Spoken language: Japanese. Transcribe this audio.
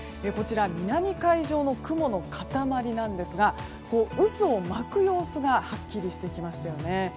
南海上の雲の塊なんですが渦を巻く様子がはっきりしてきましたよね。